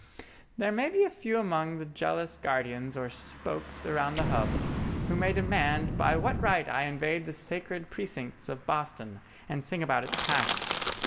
There may be a few among the jealous guardians or spokes around the Hub who may demand by what right I invade the sacred precincts of Boston, and sing about its past.